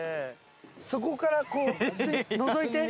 そこからこう普通にのぞいて下。